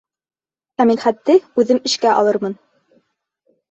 Ә Мидхәтте үҙемә эшкә алырмын.